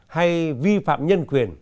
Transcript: hay vi phạm nhân quyền